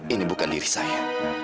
ini bukan diri saya